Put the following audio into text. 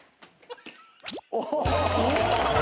お！